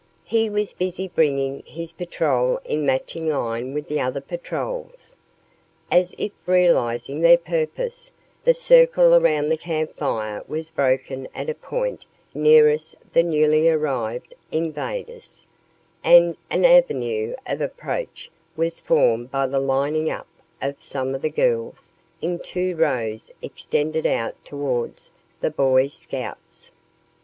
He was busy bringing his patrol in matching line with the other patrols. As if realizing their purpose, the circle around the camp fire was broken at a point nearest the newly arrived invaders, and an avenue of approach was formed by the lining up of some of the girls in two rows extended out towards the Boy Scouts.